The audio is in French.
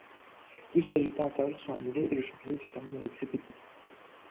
Tous ses résultats antérieurs sont annulés et le championnat se termine avec sept équipes.